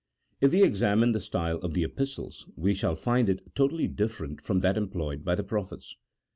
If we examine the style of the Epistles, we shall find it totally different from that employed by the prophets.